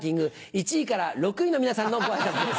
１位から６位の皆さんのご挨拶です。